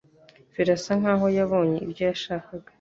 Birasa nkaho yabonye ibyo yashakaga